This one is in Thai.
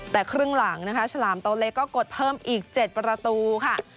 แต่ครึ่งหลังนะคะฉลามโตเล็กก็กดเพิ่มอีก๗ประตูค่ะ